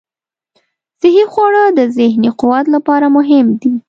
صحي خواړه د ذهني قوت لپاره مهم دي.